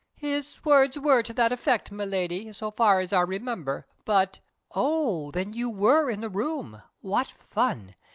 '" "His words were to that effect, Miladi, so far as I remember. But " "Oh, then you were in the room? What fun!